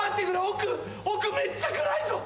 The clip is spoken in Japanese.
奥めっちゃ暗いぞ。